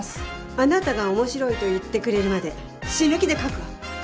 あなたが「面白い」と言ってくれるまで死ぬ気で描くわ。